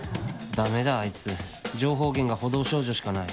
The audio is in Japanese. ダメだあいつ情報源が補導少女しかない